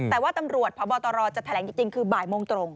แต่ว่าตำรวจพบตรจะแถลงจริงคือบ่ายโมงตรง